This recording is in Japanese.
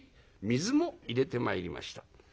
水も入れてまいりました」。